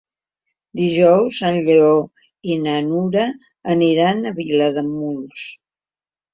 Dijous en Lleó i na Nura aniran a Vilademuls.